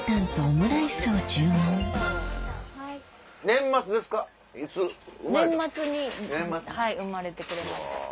年末に生まれてくれました。